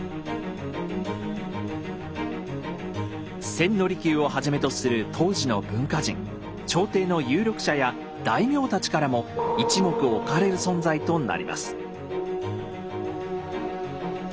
千利休をはじめとする当時の文化人朝廷の有力者や大名たちからも一目置かれる存在となります。